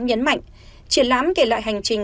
nhấn mạnh triển lãm kể lại hành trình